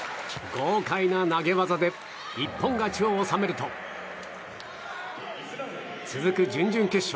豪快な投げ技で一本勝ちを収めると続く準々決勝。